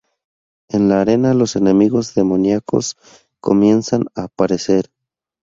En la arena, los enemigos demoníacos comienzan a aparecer.